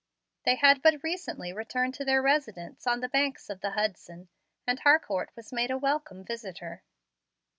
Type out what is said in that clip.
They had but recently returned to their residence on the banks of the Hudson; and Harcourt was made a welcome visitor.